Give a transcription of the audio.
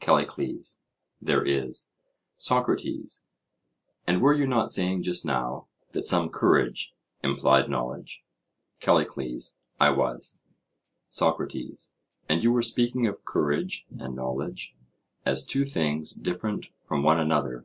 CALLICLES: There is. SOCRATES: And were you not saying just now, that some courage implied knowledge? CALLICLES: I was. SOCRATES: And you were speaking of courage and knowledge as two things different from one another?